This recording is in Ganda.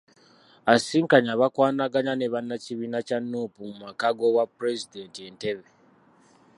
Asisinkanye abakwanaganya ne bannakibiina kya Nuupu mu maka g'obwapulezidenti e Ntebe.